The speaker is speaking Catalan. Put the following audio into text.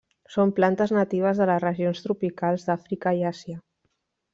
Són plantes natives de les regions tropicals d'Àfrica i Àsia.